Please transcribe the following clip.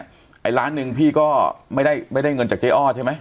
ไอ้ล้านหนึ่งพี่ก็ไม่ได้เงินจากเจ๊อ้อใช่ไหม